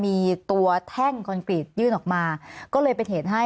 มีความรู้สึกว่าเสียใจ